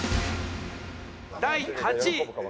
第８位。